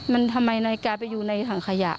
มันทำไมนายกายไปอยู่ในถังขยะ